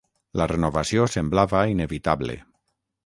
La renovació semblava inevitable.